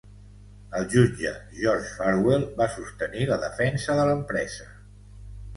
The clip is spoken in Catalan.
El jutge George Farwell va sostenir la defensa de l'empresa.